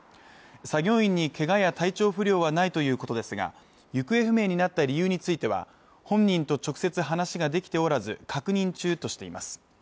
作業員に怪我や体調不良はないということですが行方不明になった理由については本人と直接話ができておらず確認中としています